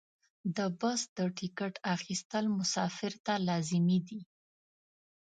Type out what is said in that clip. د بس د ټکټ اخیستل مسافر ته لازمي دي.